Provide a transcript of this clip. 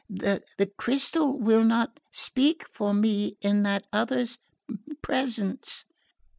the crystal will not speak for me in that other's presence..."